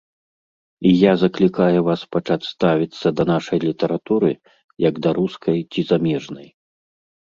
І я заклікаю вас пачаць ставіцца да нашай літаратуры, як да рускай ці замежнай.